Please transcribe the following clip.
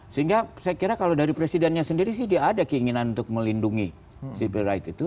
sehingga saya kira kalau dari presidennya sendiri sih dia ada keinginan untuk melindungi civil rights itu